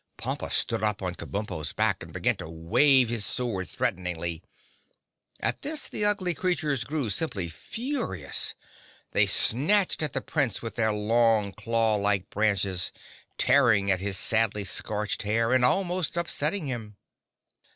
Pompa stood up on Kabumpo's back and began to wave his sword threateningly. At this the ugly creatures grew simply furious. They snatched at the Prince with their long, claw like branches, tearing at his sadly scorched hair and almost upsetting him.